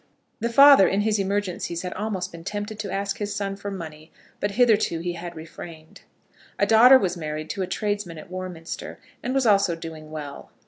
The father in his emergencies had almost been tempted to ask his son for money; but hitherto he had refrained. A daughter was married to a tradesman at Warminster, and was also doing well.